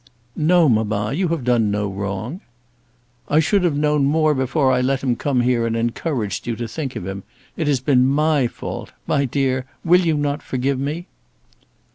"No, mamma; you have done no wrong." "I should have known more before I let him come here and encouraged you to think of him. It has been my fault. My dear, will you not forgive me?"